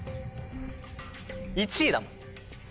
１位だもん。